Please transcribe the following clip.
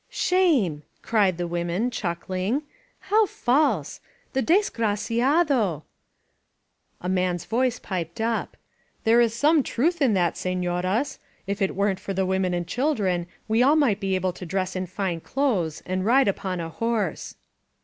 "Shame!" cried the women, clucking. "How false!" The desgraciado!'* A man's voice piped up : There is some truth in that, senoras! If it weren't for the women and children we all might be able to dress in fine clothes and ride upon a horse."